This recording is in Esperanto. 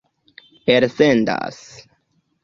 elsendas